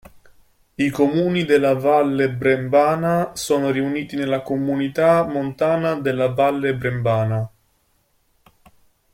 I comuni della Valle Brembana sono riuniti nella Comunità Montana della Valle Brembana.